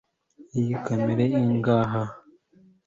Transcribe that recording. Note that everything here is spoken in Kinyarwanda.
iyi kamera ingahe